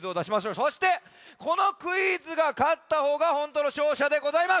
そしてこのクイズがかったほうがほんとうのしょうしゃでございます。